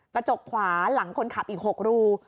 กระจกขวาหลังคนขับอีก๖รู